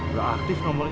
udah aktif nomornya